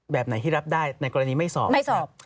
แบบไหนที่รับได้ในกรณีไม่สอบ